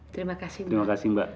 terima kasih mbak